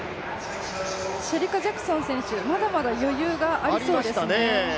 シェリカ・ジャクソン選手まだまだ余裕がありそうでしたね。